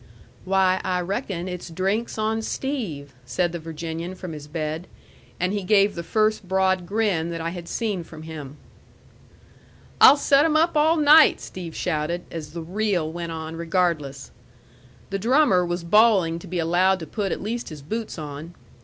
"Why, I reckon it's drinks on Steve," said the Virginian from his bed. And he gave the first broad grin that I had seen from him. "I'll set 'em up all night!" Steve shouted, as the reel went on regardless. The drummer was bawling to be allowed to put at least his boots on.